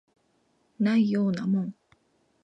ないようなもん